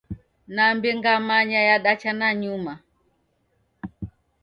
"Nambe ngamanya" yadacha nanyuma.